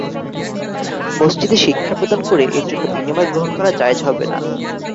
মসজিদে শিক্ষা প্রদান করে এর জন্য বিনিময় গ্রহণ করা জায়েজ হবে না।